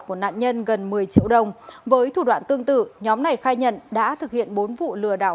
của nạn nhân gần một mươi triệu đồng với thủ đoạn tương tự nhóm này khai nhận đã thực hiện bốn vụ lừa đảo